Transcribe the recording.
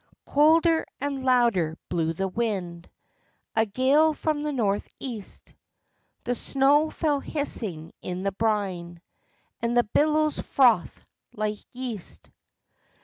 "Colder and louder blew the wind, A gale from the north east; The snow fell hissing in the brine, And the billows frothed like yeast.